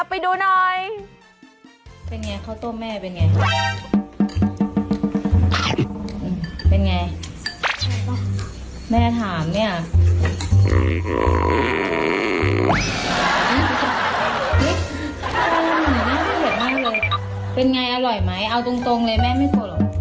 พูดอย่างนี้ไม่ให้กวงจัง